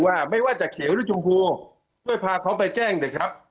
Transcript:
ว่าไม่ว่าจะเขียวรุ่นชมพูเพื่อพาเขาไปแจ้งนะครับ